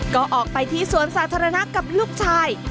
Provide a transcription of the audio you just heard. ก็ออกไปที่สวนสาธารณะกับลูกชาย